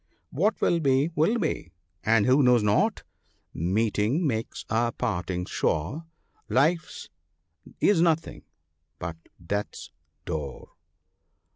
V What will be, will be ; and who knows not —" Meeting makes a parting sure, Life's is nothing but death's door."